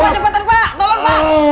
cepetan pak tolong pak